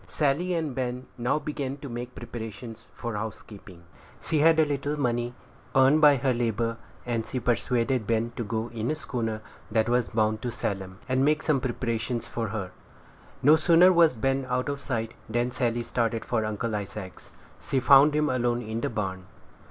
Sally and Ben now began to make preparations for housekeeping. She had a little money, earned by her labor, and she persuaded Ben to go in a schooner that was bound to Salem, and make some purchases for her. No sooner was Ben out of sight, than Sally started for Uncle Isaac's. She found him alone in the barn.